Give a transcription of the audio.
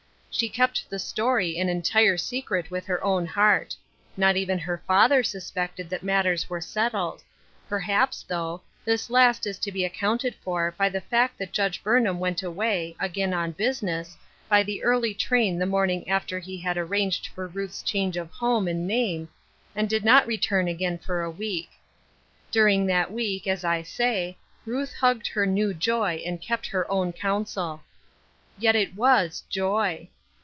She kept the story an en tire secret with her own heart. Not even her father suspected that matters were settled ; per* haps, though, this last is to be accounted for by the fact that Judge Burnham went away, again on business, by the early train the morning after he had arranged for Ruth's change of home and 5M3 ^^4 lluth J^rakinea CrosseB, name, and did not return again for a week. During that week, as I say, Ruth hugged her new joy and kept her own counsel. Yet it was joy.